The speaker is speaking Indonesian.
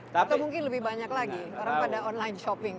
atau mungkin lebih banyak lagi orang pada online shopping